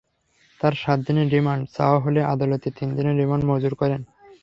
তাঁর সাত দিনের রিমান্ড চাওয়া হলে আদালত তিন দিনের রিমান্ড মঞ্জুর করেন।